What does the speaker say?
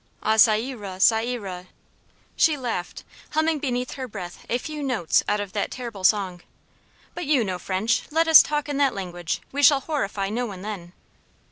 "Ah, ca ira, ca ira" she laughed, humming beneath her breath a few notes out of that terrible song. "But you know French let us talk in that language; we shall horrify no one then."